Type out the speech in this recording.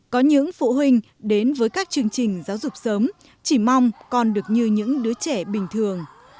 có những phụ huynh đến với các chương trình giáo dục sớm chỉ mong con được như những đứa trẻ bình thường